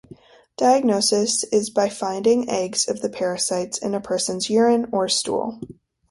Diagnosis is by finding eggs of the parasite in a person's urine or stool.